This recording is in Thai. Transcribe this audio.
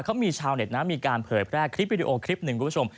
เขามีชาวเน็ตนะมีการเผยแพร่คลิปวิดีโอคลิปหนึ่งคุณผู้ชม